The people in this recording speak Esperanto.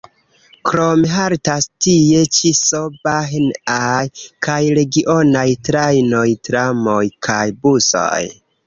Krome haltas tie ĉi S-Bahn-aj kaj regionaj trajnoj, tramoj kaj busoj.